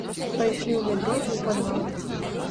Пайшлі ў медроту ў падвал.